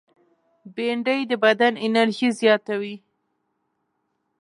بېنډۍ د بدن انرژي زیاتوي